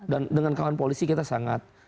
dan dengan kawan polisi kita sangat